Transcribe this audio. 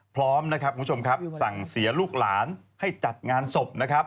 พร้อมสั่งเสียลูกหลานให้จัดงานศพ